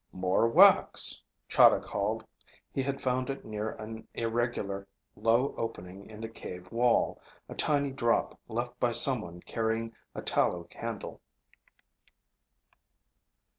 "More wax," Chahda called. He had found it near an irregular low opening in the cave wall, a tiny drop left by someone carrying a tallow candle.